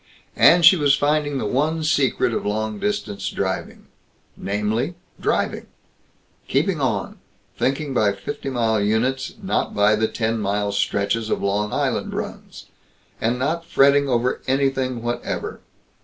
And she was finding the one secret of long distance driving namely, driving; keeping on, thinking by fifty mile units, not by the ten mile stretches of Long Island runs; and not fretting over anything whatever.